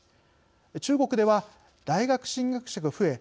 中国では、大学進学者が増え